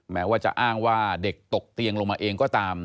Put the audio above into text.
แม้ว่าจะอ้างว่าเด็กตกเตียงลงมาเองก็ตาม